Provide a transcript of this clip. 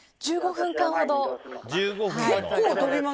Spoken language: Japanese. １５分間ほど。